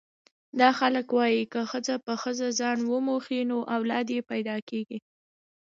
دا خلک وايي که ښځه په ښځه ځان وموښي نو اولاد یې پیدا کېږي.